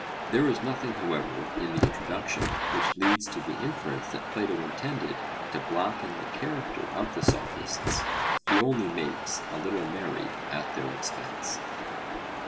There is nothing however in the introduction which leads to the inference that Plato intended to blacken the character of the Sophists; he only makes a little merry at their expense.